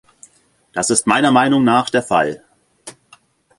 Das ist meiner Meinung nach der Fall.